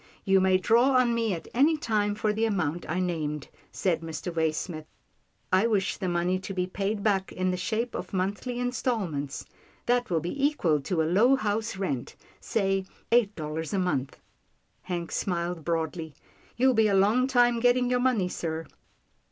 " You may draw on me at any time for the amount I named," said Mr. Waysmith. " I wish the money to be paid back in the shape of monthly instalments. That will be equal to a low house rent — say, eight dollars a month." Hank smiled broadly. " You'll be a long time getting your money, sir.'